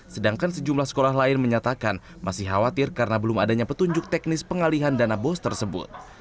sedangkan sejumlah sekolah lain menyatakan masih khawatir karena belum adanya petunjuk teknis pengalihan dana bos tersebut